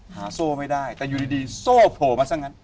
โซ่ไม่ได้แต่อยู่ดีโซ่โผล่มาซะงั้น